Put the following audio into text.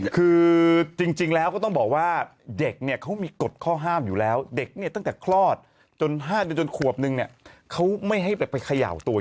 คือจริงแล้วก็ต้องบอกว่าเด็กเนี่ยเขามีกฎข้อห้ามอยู่แล้วเด็กเนี่ยตั้งแต่คลอดจน๕เดือนจนขวบนึงเนี่ยเขาไม่ให้แบบไปเขย่าตัว